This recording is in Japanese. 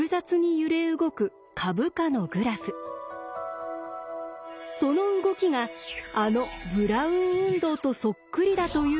その動きがあのブラウン運動とそっくりだということに気付いたのです。